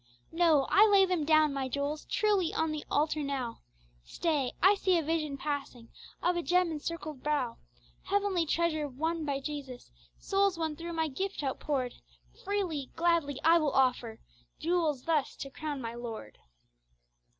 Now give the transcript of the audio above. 'No; I lay them down my jewels, Truly on the altar now. Stay! I see a vision passing Of a gem encircled brow: Heavenly treasure worn by Jesus, Souls won through my gift outpoured; Freely, gladly I will offer Jewels thus to crown my Lord!'